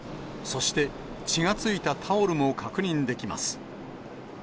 そして、血がついたタオルも確認できます。